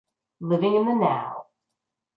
Living in the now.